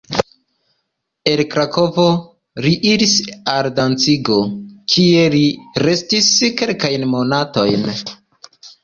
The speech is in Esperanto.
El Krakovo li iris al Dancigo, kie li restis kelkajn monatojn.